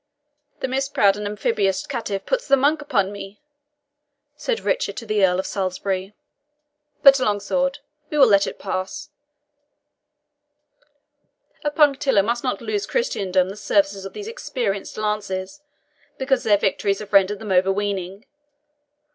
"The misproud and amphibious caitiff puts the monk upon me," said Richard to the Earl of Salisbury. "But, Longsword, we will let it pass. A punctilio must not lose Christendom the services of these experienced lances, because their victories have rendered them overweening.